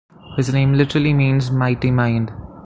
His name literally means "mighty mind".